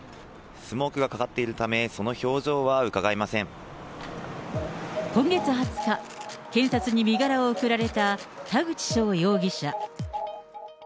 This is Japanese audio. スモークがかかっているため、今月２０日、検察に身柄を送られた田口翔容疑者。